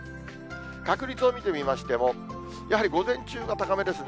確率を見てみましても、やはり午前中が高めですね。